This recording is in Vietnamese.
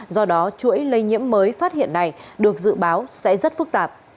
do đó chuỗi lây nhiễm mới phát hiện này được dự báo sẽ rất phức tạp